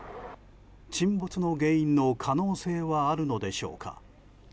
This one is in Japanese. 沈没の原因の可能性はあるのでしょうか。